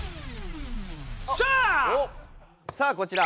さあこちら。